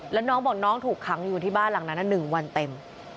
แล้วน้องบอกน้องถูกขังอยู่ที่บ้านหลังนั้น๑วันเต็ม